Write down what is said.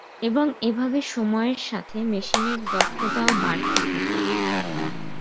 এবং এভাবে সময়ের সাথে মেশিনের দক্ষতাও বাড়তে থাকে।